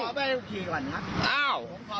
ขอไปกับขี่ก่อนครับ